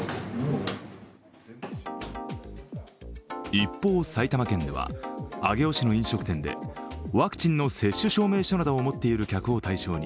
一方、埼玉県では上尾市の飲食店でワクチンの接種証明書などを持っている客を対象に